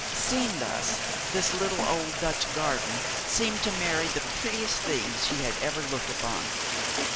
Seen thus, this little old Dutch garden seemed to Mary the prettiest thing she had ever looked upon.